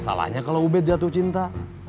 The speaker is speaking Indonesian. salahnya kalau ubed jatuh cinta